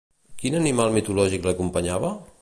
Quin animal mitològic l'acompanyava?